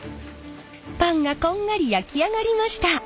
パンがこんがり焼き上がりました！